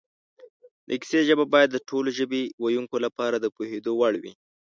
د کیسې ژبه باید د ټولو ژبې ویونکو لپاره د پوهېدو وړ وي